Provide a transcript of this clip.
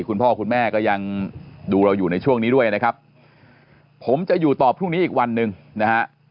คุณพ่อคุณแม่ก็ยังดูเราอยู่ในช่วงนี้ด้วยนะครับผมจะอยู่ต่อพรุ่งนี้อีกวันหนึ่งนะฮะ